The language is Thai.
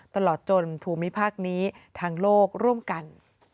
ตลอดจนภูมิภาคนี้ทางโลกร่วมกัน